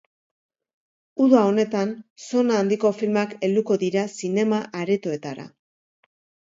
Uda honetan sona handiko filmak helduko dira zinema-aretoetara.